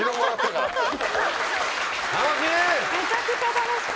楽しい！